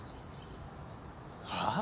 はあ？